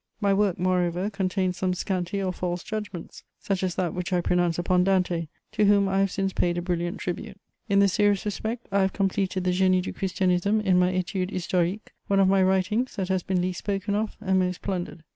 My work, moreover, contains some scanty or false judgments, such as that which I pronounce upon Dante, to whom I have since paid a brilliant tribute. In the serious respect, I have completed the Génie du Christianisme in my Études historiques, one of my writings that has been least spoken of and most plundered.